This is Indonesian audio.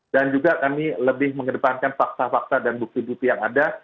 dan juga kami lebih mengedepankan fakta fakta dan bukti bukti yang ada